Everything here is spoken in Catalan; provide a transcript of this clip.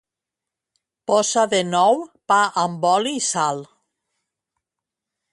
Posa de nou "Pa amb oli i sal".